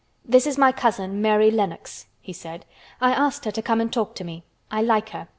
"This is my cousin, Mary Lennox," he said. "I asked her to come and talk to me. I like her.